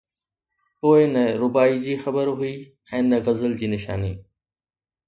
پوءِ نه رباعي جي خبر هئي ۽ نه غزل جي نشاني